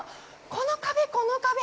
この壁、この壁！